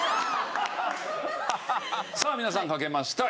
さあ皆さん書けました。